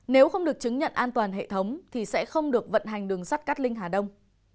nếu không được chứng nhận an toàn hệ thống thì sẽ không được vận hành đường sắt cát linh hà đông